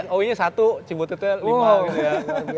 ou nya satu cibutitnya lima gitu ya